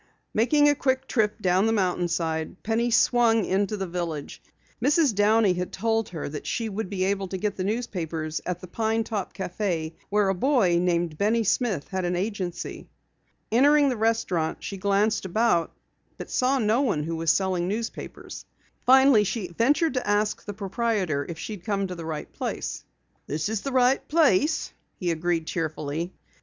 Making a quick trip down the mountainside, Penny swung into the village. Mrs. Downey had told her that she would be able to get the newspapers at the Pine Top Cafe where a boy named Benny Smith had an agency. Entering the restaurant, she glanced about but saw no one who was selling papers. Finally, she ventured to ask the proprietor if she had come to the right place. "This is the right place," he agreed cheerfully.